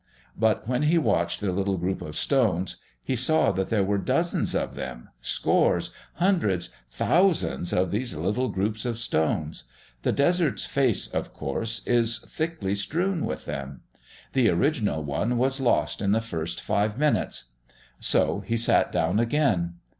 But when he watched the little group of stones, he saw that there were dozens of them, scores, hundreds, thousands of these little groups of stones. The desert's face, of course, is thickly strewn with them. The original one was lost in the first five minutes. So he sat down again.